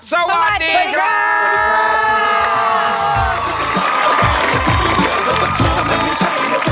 สวัสดีครับ